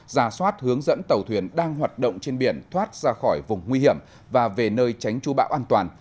ra soát hướng dẫn tàu thuyền đang hoạt động trên biển thoát ra khỏi vùng nguy hiểm và về nơi tránh chú bão an toàn